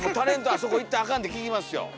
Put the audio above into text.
あそこ行ったらあかんって聞きますよ。